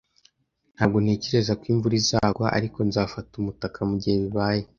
Ntabwo ntekereza ko imvura izagwa, ariko nzafata umutaka mugihe bibaye.